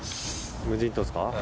無人島ですか？